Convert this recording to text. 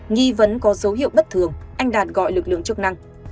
nghi vẫn có dấu hiệu bất thường anh đạt gọi lực lượng chức năng